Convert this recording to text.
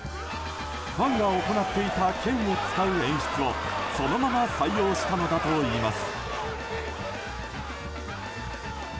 ファンが行っていた剣を使う演出をそのまま採用したのだといいます。